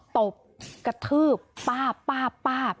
ตบกระทืบป้าบป้าบป้าบ